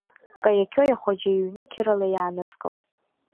Каиақьои ахәаџьа иҩны қьырала иааныскылт.